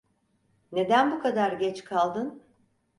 Neden bu kadar geç kaldın?